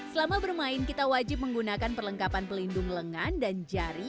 selama bermain kita wajib menggunakan perlengkapan pelindung lengan dan jari